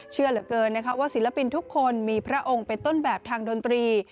เชื่อเหลือเกินนะคะว่าศิลปินทุกคนมีพระองค์เป็นต้นแบบทางดนตรี